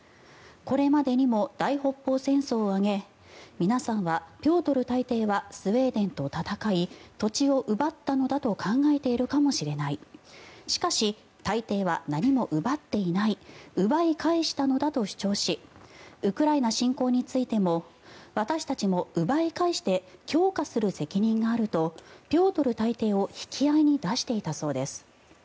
これまでにも大北方戦争を挙げ皆さんはピョートル大帝はスウェーデンと戦い土地を奪ったのだと考えているかもしれないしかし、大帝は何も奪っていない奪い返したのだと主張しウクライナ侵攻についても私たちも奪い返して強化する責任があるとピョートル大帝を引き合いに出していたそうです。